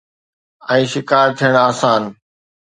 ۽ شڪار ٿيڻ آسان.